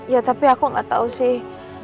ya tapi aku nggak tahu sih